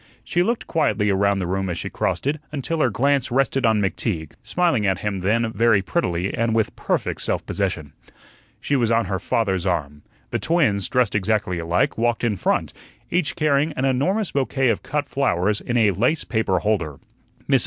She looked quietly around the room as she crossed it, until her glance rested on McTeague, smiling at him then very prettily and with perfect self possession. She was on her father's arm. The twins, dressed exactly alike, walked in front, each carrying an enormous bouquet of cut flowers in a "lace paper" holder. Mrs.